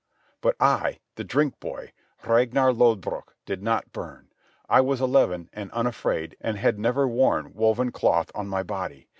But I, the drink boy, Ragnar Lodbrog, did not burn. I was eleven, and unafraid, and had never worn woven cloth on my body.